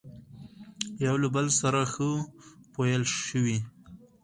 يوه له بل سره ښه پويل شوي،